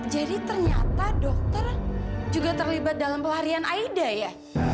jadi ternyata dokter juga terlibat dalam pelarian aida ya